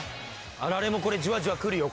あられもこれじわじわくるよ。